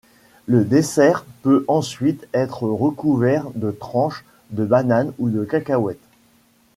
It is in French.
Le dessert peut ensuite être recouvert de tranches de bananes ou de cacahuètes.